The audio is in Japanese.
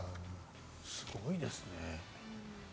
すごいですね。